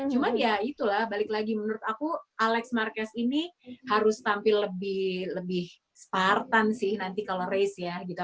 cuman ya itulah balik lagi menurut aku alex marquez ini harus tampil lebih spartan sih nanti kalau race ya gitu